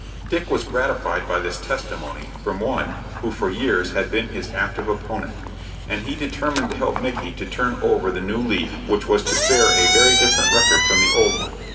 Dick was gratified by this testimony from one who for years had been his active opponent, and he determined to help Micky to turn over the new leaf which was to bear a very different record from the old one.